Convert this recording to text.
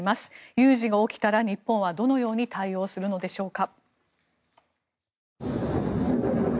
有事が起きたら日本はどのように対応するのでしょうか。